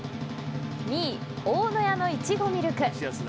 ２位、大野屋のいちごミルク。